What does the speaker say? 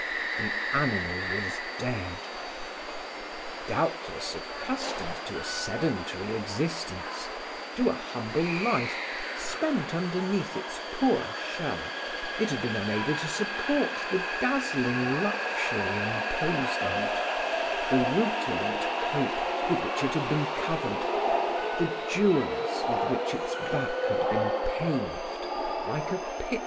The animal was dead. Doubtless accustomed to a sedentary existence, to a humble life spent underneath its poor shell, it had been unable to support the dazzling luxury imposed on it, the rutilant cope with which it had been covered, the jewels with which its back had been paved, like a pyx.